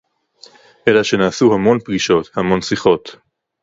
אלא שנעשו המון פגישות, המון שיחות